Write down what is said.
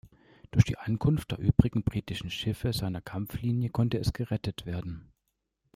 Durch die Ankunft der übrigen britischen Schiffe seiner Kampflinie konnte es gerettet werden.